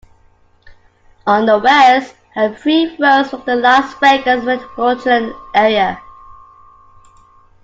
On the west are three roads from the Las Vegas metropolitan area.